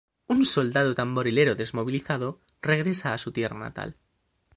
Un soldado-tamborilero desmovilizado regresa a su tierra natal.